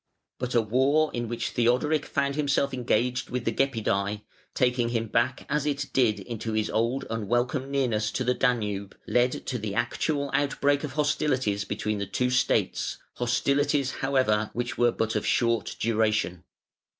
But a war in which Theodoric found himself engaged with the Gepidæ (504), taking him back as it did into his old unwelcome nearness to the Danube, led to the actual outbreak of hostilities between the two States, hostilities, however, which were but of short duration.